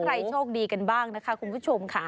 ใครโชคดีกันบ้างนะคะคุณผู้ชมค่ะ